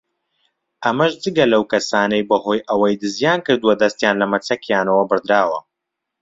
ئەمەش جگە لەو کەسانەی بەهۆی ئەوەی دزییان کردووە دەستیان لە مەچەکیانەوە بڕدراوە